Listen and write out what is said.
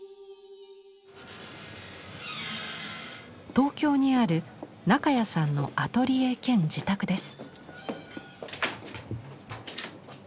東京にある中谷さんのアトリエ兼自宅です。